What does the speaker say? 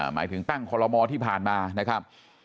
หมายถึงตั้งคอลโลมอที่ผ่านมานะครับ